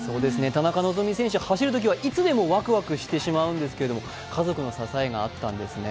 田中希実選手、走るときはいつでもわくわくしてしまうんですが家族の支えがあったんですね。